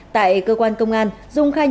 tại cơ quan công an dung khai truyền